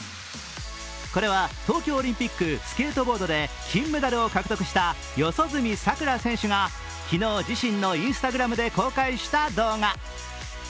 これは東京オリンピック、スケートボードで、金メダルを獲得した四十住さくら選手が昨日、自身のＩｎｓｔａｇｒａｍで公開した動画。